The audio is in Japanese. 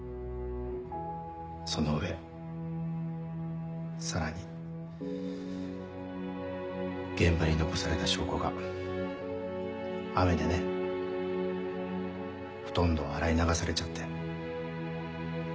その上さらに現場に残された証拠が雨でねほとんど洗い流されちゃって。